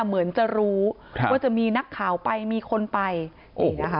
เหมือนจะรู้ว่าจะมีนักข่าวไปมีคนไปนี่นะคะ